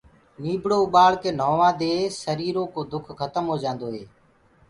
نيٚڀڙو اُٻآݪڪي نهووآدي سريٚرو ڪو دُک کتم هو جآنٚدو هي